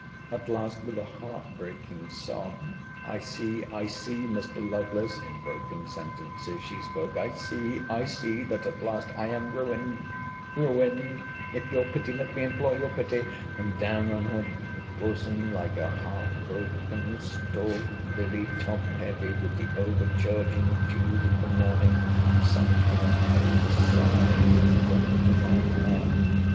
At last, with a heart breaking sob, I see, I see, Mr. Lovelace, in broken sentences she spoke—I see, I see—that at last—I am ruined!—Ruined, if your pity—let me implore your pity!—and down on her bosom, like a half broken stalked lily top heavy with the overcharging dews of the morning, sunk her head, with a sigh that went to my heart.